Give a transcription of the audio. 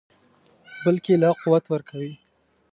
بلکې لا قوت ورکوي.